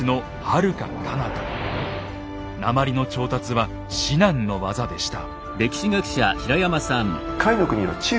鉛の調達は至難の業でした。